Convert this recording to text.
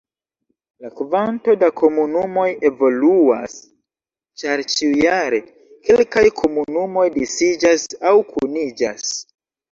La kvanto da komunumoj evoluas, ĉar ĉiujare, kelkaj komunumoj disiĝas aŭ kuniĝas.